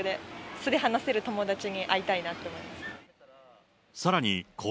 素で話せる友達に会いたいなって思いました。